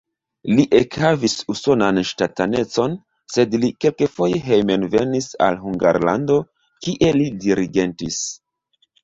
Li ekhavis usonan ŝtatanecon, sed li kelkfoje hejmenvenis al Hungarlando, kie li dirigentis.